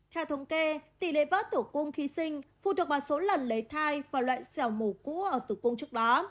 theo thống kê tỷ lệ vỡ tủ cung khi sinh phụ thuộc vào số lần lấy thai và loại sẹo mổ cũ ở tủ cung trước đó